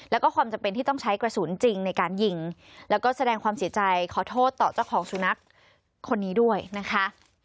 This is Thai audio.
แล้วก็ความจำเป็นที่ต้องใช้กระสุนจริงในการยิงแล้วก็แสดงความเสียใจขอโทษต่อเจ้าของสุนัขคนนี้ด้วยนะคะ